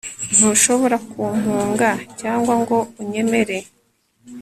Ntushobora kumpunga cyangwa ngo unyemere